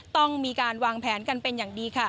ต้องมีการวางแผนกันเป็นอย่างดีค่ะ